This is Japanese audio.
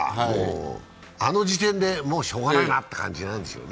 あの時点で、もうしようがないなって感じなんでしょうね。